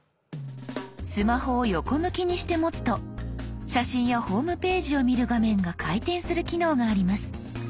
スマホを横向きにして持つと写真やホームページを見る画面が回転する機能があります。